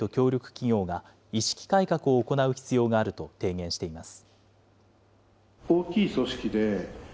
企業が意識改革を行う必要があると提言しています。